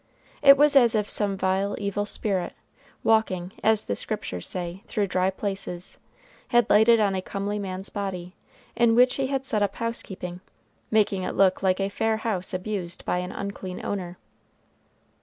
It was as if some vile evil spirit, walking, as the Scriptures say, through dry places, had lighted on a comely man's body, in which he had set up housekeeping, making it look like a fair house abused by an unclean owner.